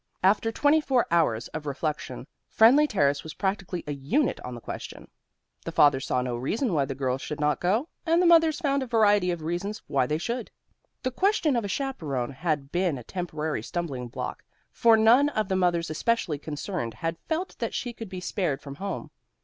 After twenty four hours of reflection Friendly Terrace was practically a unit on the question. The fathers saw no reason why the girls should not go, and the mothers found a variety of reasons why they should. The question of a chaperon had been a temporary stumbling block, for none of the mothers especially concerned had felt that she could be spared from home.